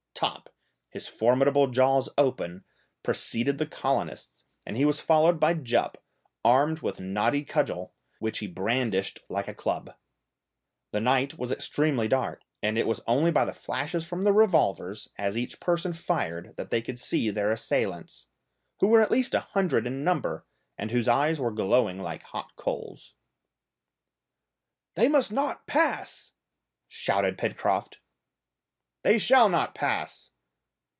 Top, his formidable jaws open, preceded the colonists, and he was followed by Jup, armed with knotty cudgel, which he brandished like a club. The night was extremely dark, it was only by the flashes from the revolvers as each person fired that they could see their assailants, who were at least a hundred in number, and whose eyes were glowing like hot coals. "They must not pass!" shouted Pencroft. "They shall not pass!"